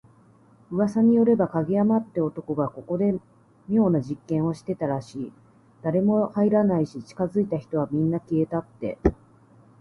噂によれば、影山って男がここで妙な実験をしてたらしい。誰も入らないし、近づいた人はみんな…消えたって。